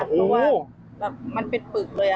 เพราะว่ามันเป็นปึกเลย